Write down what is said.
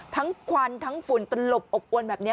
ควันทั้งฝุ่นตลบอบอวนแบบนี้